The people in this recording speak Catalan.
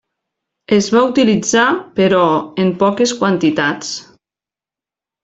Es va utilitzar però en poques quantitats.